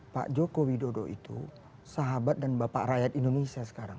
pak joko widodo itu sahabat dan bapak rakyat indonesia sekarang